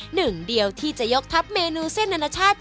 หนึ่งเดียวที่จะยกทัพเมนูเส้นอนาชาติ